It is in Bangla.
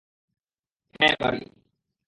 হ্যাঁ, বাড়ি।